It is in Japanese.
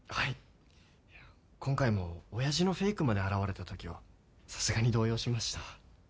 いや今回も親父のフェイクまで現れたときはさすがに動揺しました。